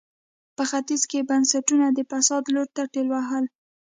په ختیځ کې یې بنسټونه د فساد لور ته ټېل وهل.